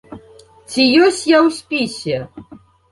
Ці ёсць я ў спісе?